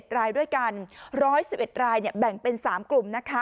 ๗รายด้วยกัน๑๑๑รายแบ่งเป็น๓กลุ่มนะคะ